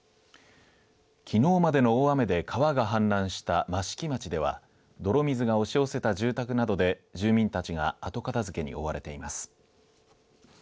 きのうまでの大雨で川が氾濫した益城町では泥水が押し寄せた住宅などで住民たちが後片づけに追われています。